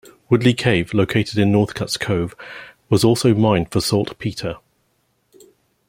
Woodlee Cave, located in Northcutts Cove, was also mined for saltpeter.